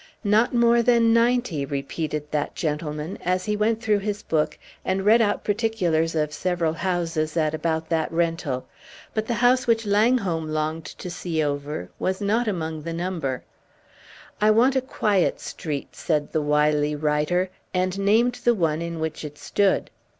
"Not more than ninety," repeated that gentleman, as he went through his book, and read out particulars of several houses at about that rental; but the house which Langholm burned to see over was not among the number. "I want a quiet street," said the wily writer, and named the one in which it stood.